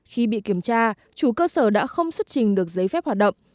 khi bị kiểm tra chủ cơ sở đã không xuất trình được giấy phép hoạt động